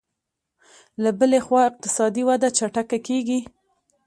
له بلې خوا اقتصادي وده چټکه کېږي